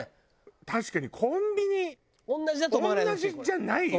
確かにコンビニ同じじゃないよ。